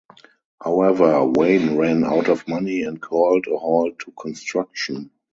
However, Wayne ran out of money and called a halt to construction.